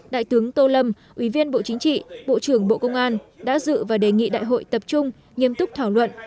đại tướng tô lâm ủy viên bộ chính trị bộ trưởng bộ công an đã dự và đề nghị đại hội tập trung nghiêm túc thảo luận